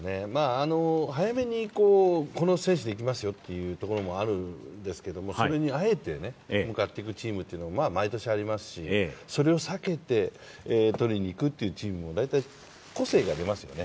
早めにこの選手でいきますよというところもあるんですけども、それにあえて向かっていくチームが毎年ありますし、それを避けて取りにいくチームも、大体個性ができますね。